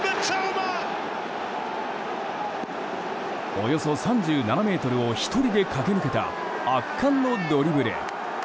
およそ３７ｍを１人で駆け抜けた圧巻のドリブル。